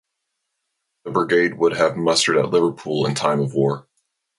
The brigade would have mustered at Liverpool in time of war.